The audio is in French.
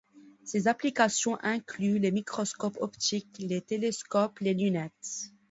Ses applications incluent les microscopes optiques, les télescopes, les lunettes...